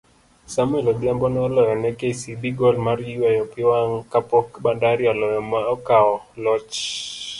Samuel Odhiambo noloyo ne kcb gol maryweyo piwang' kapok Bandari oloyo maokao loch